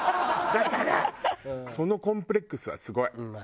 だからそのコンプレックスはすごい。